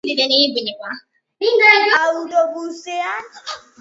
Autobusean zeuden hamar adingabe holandarrak ziren, poloniar bat eta beste bat alemaniarra.